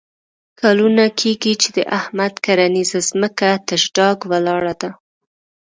کلونه کېږي چې د احمد کرنیزه ځمکه تش ډاګ ولاړه ده.